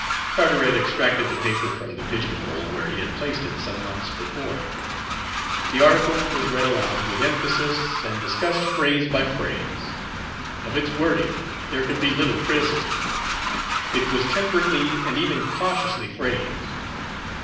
Carteret extracted the paper from the pigeon hole where he had placed it some months before. The article was read aloud with emphasis and discussed phrase by phrase. Of its wording there could be little criticism, it was temperately and even cautiously phrased.